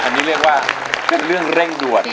อันนี้เรียกว่าเป็นเรื่องเร่งด่วน